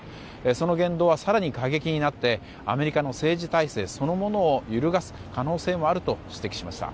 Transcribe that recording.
その言動は更に過激になってアメリカの政治体制そのものを揺るがす可能性もあると指摘しました。